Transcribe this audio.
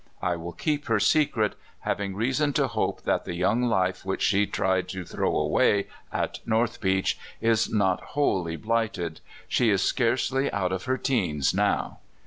I will keep her secret, having reason to hope that the young life which she tried to throw away at North Beach is not wholly blighted. She is scarcely out of her teens now.